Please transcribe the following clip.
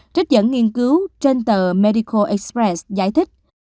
trích dẫn nghiên cứu trên tờ medical express giải thích